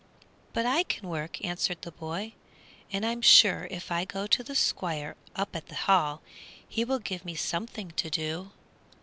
"But I can work," answered the boy; "and I'm sure if I go to the Squire up at the Hall he will give me something to do."